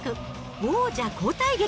王者交代劇！